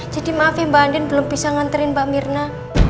jadi maaf ya mbak andien belum bisa nganterin mbak mirna